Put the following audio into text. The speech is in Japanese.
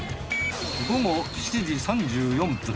午後７時３４分